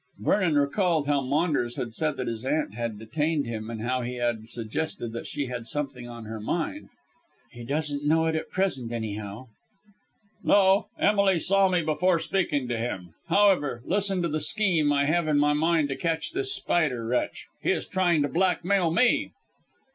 Vernon recalled how Maunders had said that his aunt had detained him, and how he had suggested that she had something on her mind. "He doesn't know it at present, anyhow." "No. Emily saw me before speaking to him. However, listen to the scheme I have in my mind to catch this Spider wretch. He is trying to blackmail me."